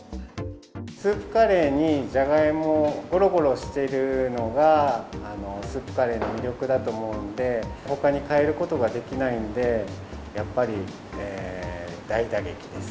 スープカレーにジャガイモ、ごろごろしているのが、スープカレーの魅力だと思うので、ほかに代えることができないんで、やっぱり、大打撃です。